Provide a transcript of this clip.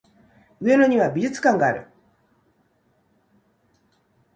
上野には美術館がある